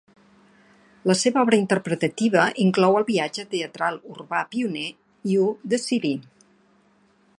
La seva obra interpretativa inclou el viatge teatral urbà pioner, "You-The City".